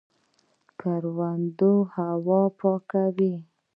د کروندو هوا پاکه وي.